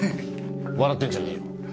笑ってんじゃねえよ。